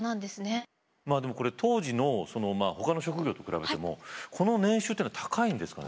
まあでもこれ当時のほかの職業と比べてもこの年収っていうのは高いんですかね。